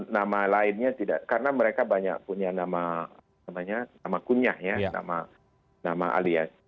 nama lainnya tidak karena mereka banyak punya nama namanya nama kunyah ya nama alias